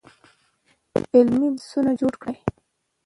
علمي بحثونه جوړ کړئ.